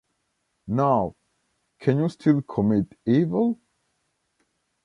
Now, can you still commit evil?